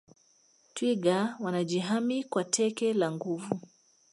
twiga wanajihami kwa teke la nguvu